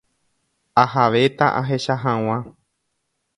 Ahavéta ahecha hag̃ua.